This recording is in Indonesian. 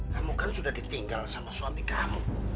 kamu kan sudah ditinggal sama suami kamu